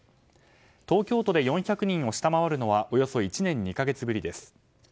東京都で４００人を下回るのはおよそ１年２か月ぶりです。